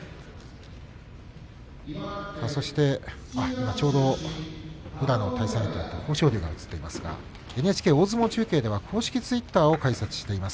今ちょうど宇良の対戦相手だった豊昇龍が映っていますがＮＨＫ大相撲中継の公式ツイッターを開設しています。